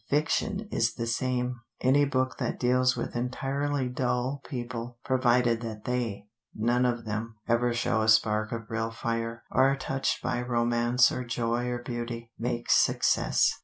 Fiction is the same. Any book that deals with entirely dull people, provided that they, none of them, ever show a spark of real fire or are touched by romance or joy or beauty, makes success.